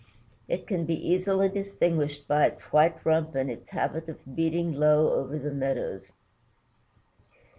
It can be easily distinguished by its white rump and its habit of beating low over the meadows.